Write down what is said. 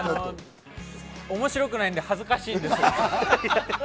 面白くないので、恥ずかしいです。